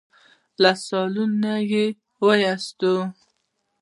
له سالونه يې وايست.